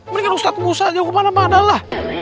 mendingan ustadz musa yang kemana mana lah